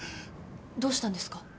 どうしたんですか？